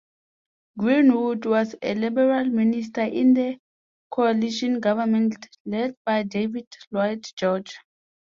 Greenwood was a Liberal Minister in the Coalition Government led by David Lloyd George.